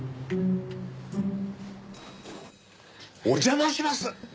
お邪魔します。